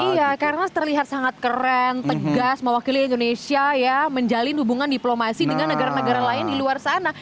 iya karena terlihat sangat keren tegas mewakili indonesia ya menjalin hubungan diplomasi dengan negara negara lain di luar sana